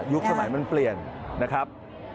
สมัยมันเปลี่ยนนะครับ